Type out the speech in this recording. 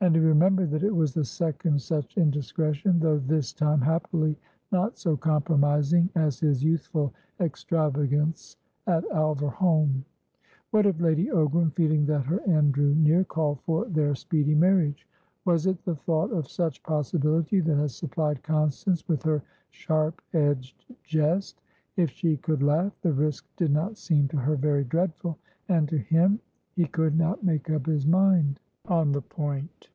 And he remembered that it was the second such indiscretion, though this time, happily, not so compromising as his youthful extravagance at Alverholme. What if Lady Ogram, feeling that her end drew near, called for their speedy marriage? Was it the thought of such possibility that had supplied Constance with her sharp edged jest? If she could laugh, the risk did not seem to her very dreadful. And to him? He could not make up his mind on the point.